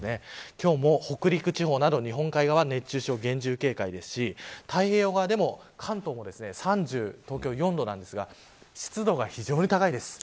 今日も北陸地方など日本海側熱中症に厳重警戒ですし太平洋側でも関東も東京は３４度ですが湿度が非常に高いです。